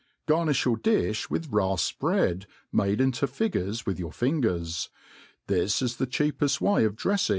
Garnifti your di(h with rafped bread, made into figures With your fingers. This is the cheapeft way of drefling.